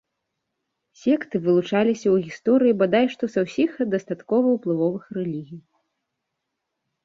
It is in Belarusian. Секты вылучаліся ў гісторыі бадай што са ўсіх дастаткова ўплывовых рэлігій.